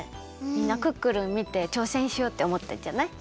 みんな「クックルン」みてちょうせんしようっておもったんじゃない？